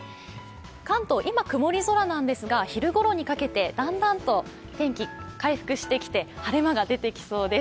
関東、今曇り空なんですが昼ごろにかけて、だんだんと天気が回復してきて晴れ間が出てきそうです。